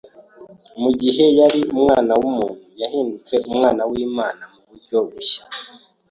Mu gihe yari Umwana w’Umuntu yahindutse Umwana w’Imana mu buryo bushya.